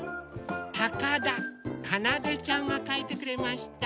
たかだかなでちゃんがかいてくれました。